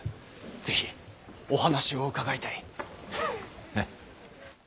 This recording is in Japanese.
是非お話を伺いたい。